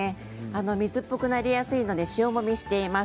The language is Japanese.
水っぽくなりやすいので塩もみをしています。